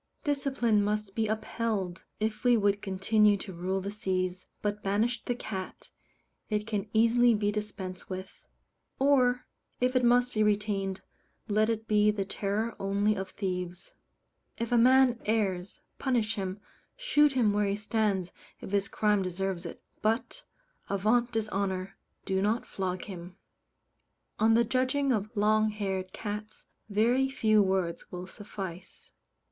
Discipline must be upheld, if we would continue to rule the seas; but banish the cat, it can easily be dispensed with; or, if it must be retained, let it be the terror only of thieves. If a man errs, punish him, shoot him where he stands if his crime deserves it, but, Avaunt dishonour! do not flog him. On the judging of long haired cats very few words will suffice.